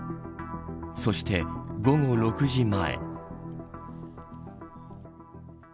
そして午後６時前。